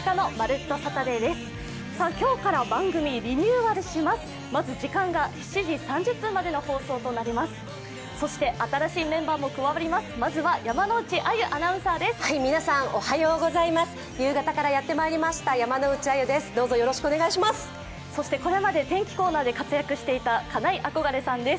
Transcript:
まずは山内あゆアナウンサーです。